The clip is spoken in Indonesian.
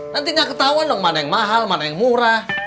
nanti nggak ketahuan dong mana yang mahal mana yang murah